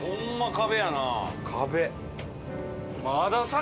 壁。